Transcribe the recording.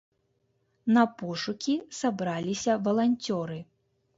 На пошукі сабраліся валанцёры.